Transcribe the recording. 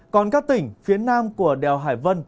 còn các tỉnh phía nam của đèo hải vân